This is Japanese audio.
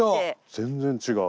全然違う。